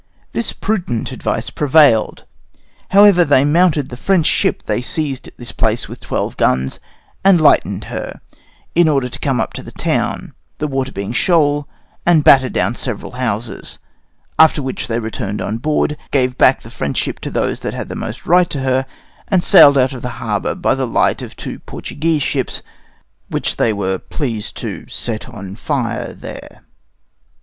This prudent advice prevailed; however, they mounted the French ship they seized at this place with twelve guns, and lightened her, in order to come up to the town, the water being shoal, and battered down several houses; after which they all returned on board, gave back the French ship to those that had most right to her, and sailed out of the harbor by the light of two Portuguese ships, which they were pleased to set on fire there.